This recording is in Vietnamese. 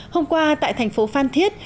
hôm qua tại thành phố phan thiết